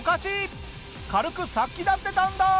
軽く殺気立ってたんだ！